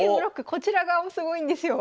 こちら側もすごいんですよ。